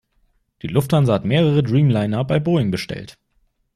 Die Lufthansa hat mehrere Dreamliner bei Boeing bestellt.